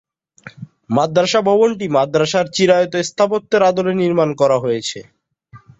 মাদ্রাসা ভবনটি মাদ্রাসার চিরায়ত স্থাপত্যের আদলে নির্মাণ করা হয়েছে।